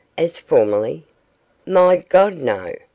As formerly?' 'My God, no!